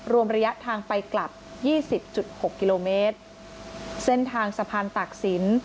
รวมระยะทางไปกลับยี่สิบจุดหกกิโลเมตรเส้นทางสะพานตากศิลป์